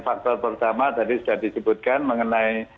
faktor pertama tadi sudah disebutkan mengenai